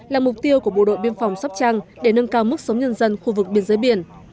là mục tiêu của bộ đội biên phòng sắp trăng để nâng cao mức sống nhân dân khu vực biên giới biển